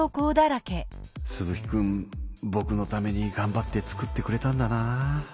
鈴木くんぼくのためにがんばって作ってくれたんだなぁ。